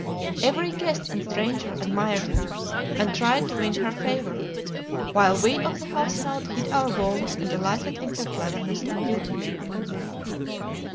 Every guest and stranger admired her and tried to win her favor: while we of the household hid our wounds and delighted in her cleverness and beauty.